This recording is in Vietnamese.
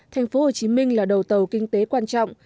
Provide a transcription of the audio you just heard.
thành phố hồ chí minh là đầu tàu kinh tế quan trọng